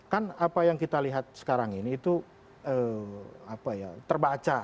kan apa yang kita lihat sekarang ini itu terbaca